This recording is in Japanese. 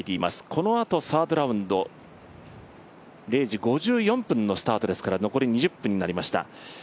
このあとサードラウンド、０時５４分のスタートですから残り２０分になりました。